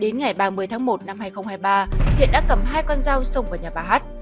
năm hai nghìn hai mươi ba thiện đã cầm hai con dao xông vào nhà bà hát